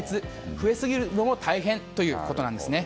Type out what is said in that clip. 増えすぎるのも大変ということです。